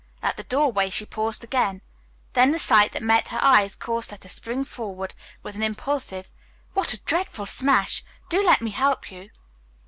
At the doorway she paused again; then the sight that met her eyes caused her to spring forward with an impulsive, "What a dreadful smash! Do let me help you."